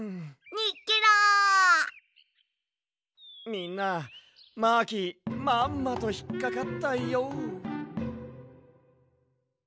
みんなマーキーまんまとひっかかったＹＯ。